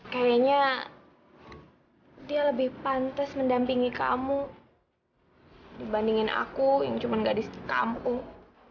kayaknya dia lebih pantas mendampingi kamu dibandingin aku yang cuma gadis kampung